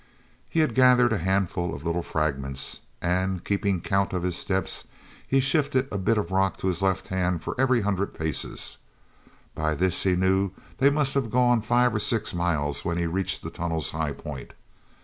He had gathered a handful of little fragments, and, keeping count of his steps, had shifted a bit of rock to his left hand for every hundred paces. By this he knew they must have gone five or six miles when he reached the tunnel's high point.